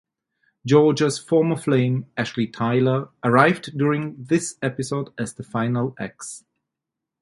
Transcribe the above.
Georgia’s former flame Ashley Tyler arrived during this episode as the final ex.